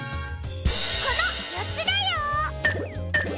このよっつだよ！